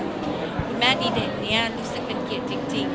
คุณแม่ดีเด่นเนี่ยรู้สึกเป็นเกียรติจริง